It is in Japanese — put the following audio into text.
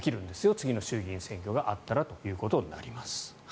次の衆議院選挙があったらということです。